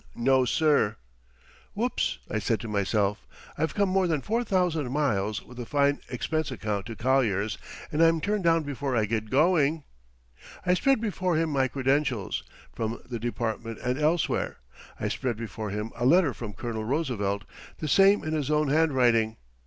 No, sir! "Whoops!" I said to myself. "I've come more than 4,000 miles, with a fine expense account to Collier's, and I'm turned down before I get going." I spread before him my credentials from the department and elsewhere. I spread before him a letter from Colonel Roosevelt, the same in his own handwriting.